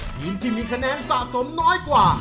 ทีมที่มีคะแนนสะสมน้อยกว่า